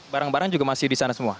barang barang juga masih di sana semua